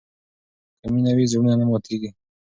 که مینه وي، زړونه نه ماتېږي.